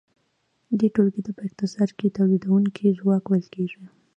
دې ټولګې ته په اقتصاد کې تولیدونکی ځواک ویل کیږي.